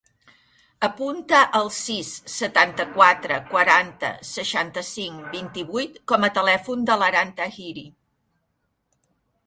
Apunta el sis, setanta-quatre, quaranta, seixanta-cinc, vint-i-vuit com a telèfon de l'Aran Tahiri.